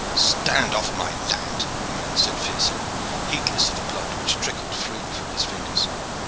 "Stand off my land!" the man said fiercely, heedless of the blood which trickled freely from his fingers.